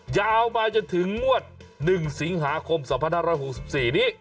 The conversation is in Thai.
ยาวมาจนถึงงวด๑สิงหาคม๒๕๖๔นี้